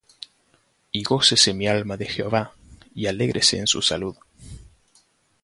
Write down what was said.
Y gócese mi alma en Jehová; Y alégrese en su salud.